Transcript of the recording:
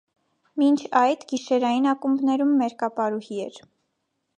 Մինչ այդ՝ գիշերային ակումբներում մերկապարուհի էր։